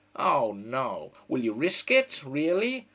Oh no will you risk it, really?